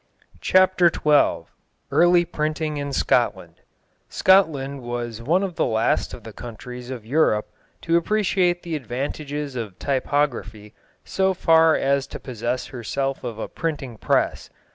CHAPTER XII EARLY PRINTING IN SCOTLAND Scotland was one of the last of the countries of Europe to appreciate the advantages of typography so far as to possess herself of a printing press.